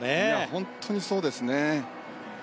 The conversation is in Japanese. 本当に、そうですね。